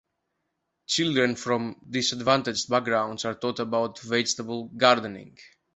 Children from disadvantaged backgrounds are taught about vegetable gardening.